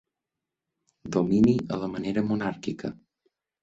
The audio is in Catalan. Domini a la manera monàrquica.